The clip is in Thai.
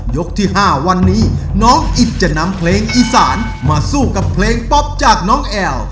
ที่๕วันนี้น้องอิตจะนำเพลงอีสานมาสู้กับเพลงป๊อปจากน้องแอล